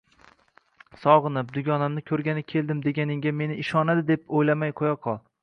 Sog`inib, dugonamni ko`rgani keldim deganingga meni ishonadi deb o`ylamay qo`yaqol